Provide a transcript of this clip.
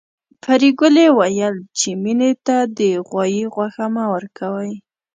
پريګلې ويل چې مينې ته د غوايي غوښه مه ورکوئ